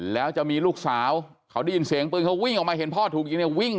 แล้วจะมีลูกสาวเขาได้ยินเสียงปืนเขาวิ่งออกมาเห็นพ่อถูกยิงเนี่ยวิ่ง